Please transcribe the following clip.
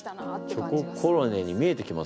チョココロネに見えてきますね。